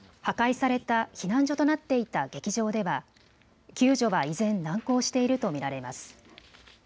破壊された避難所となっていた劇場では救助は依然、難航していると見られます。